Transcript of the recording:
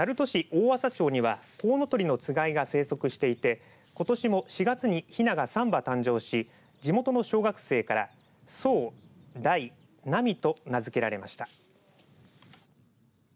大麻町にはコウノトリのつがいが生息していてことしも４月にひなが３羽誕生し地元の小学生から爽、大、なみと名付けられました。